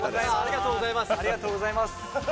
ありがとうございます。